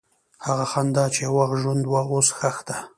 هغه خندا چې یو وخت ژوند وه، اوس ښخ ده.